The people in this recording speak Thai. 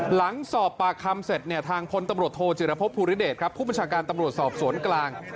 หลังสอบปากคำเสร็จเนี่ยทางพลตำรวจโทจิรพบภูริเดชครับผู้บัญชาการตำรวจสอบสวนกลาง